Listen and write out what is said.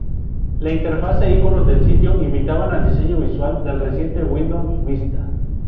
La interfaz e iconos del sitio imitaban al diseño visual del reciente Windows Vista.